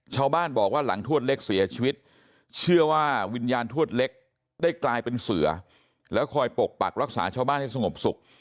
ชาวบ้านบอกว่าหลังทวดเล็กเสียชีวิตเชื่อว่าวิญญาณทวดเล็กได้กลายเป็นเสือแล้วคอยปกปักรักษาชาวบ้านให้สงบสุข